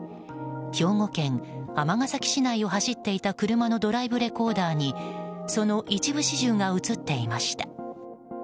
兵庫県尼崎市内を走っていた車のドライブレコーダーにその一部始終が映っていました。